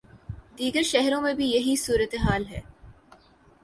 دیگر شہروں میں بھی یہی صورت حال ہے۔